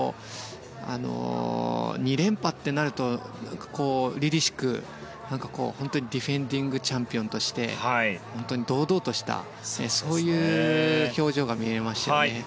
２連覇となるとりりしくディフェンディングチャンピオンとして堂々としたそういう表情が見れましたね。